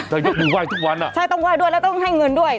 แต่ต้องว่ายทุกวันอ่ะใช่ต้องว่ายด้วยแล้วต้องให้เงินด้วย